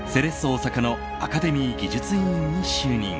大阪のアカデミー技術委員に就任。